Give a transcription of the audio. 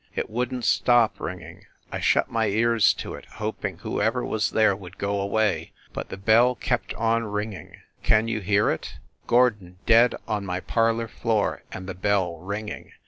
It wouldn t stop ringing. ... I shut my ears to it, hoping who ever was there would go away ... but the bell kept on ringing ... can you hear it? Gordon dead on my parlor floor, and the bell ringing